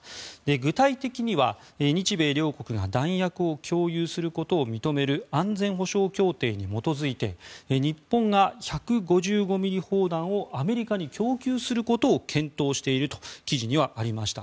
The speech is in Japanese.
具体的には、日米両国が弾薬を共有することを認める安全保障協定に基づいて日本が１５５ｍｍ砲弾をアメリカに供給することを検討していると記事にはありました。